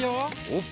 おっ！